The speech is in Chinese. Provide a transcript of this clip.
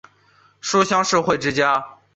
书香世胄之家。